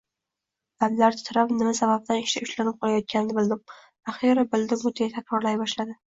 Lablari titrab Nima sababdan ishda ushlanib qolayotganini bildim, axiyri bildim-ku deya takrorlay boshladi